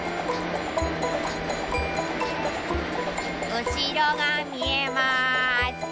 うしろがみえます。